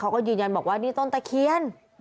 เขาก็ยืนยันบอกว่านี่ต้นตะเคียน